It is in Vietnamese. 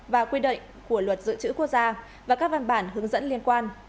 và quy định của luật dự trữ quốc gia và các văn bản hướng dẫn liên quan